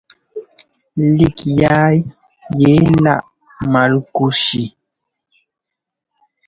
Lík yaa yɛ láʼ Malkúshi.